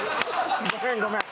ごめんごめん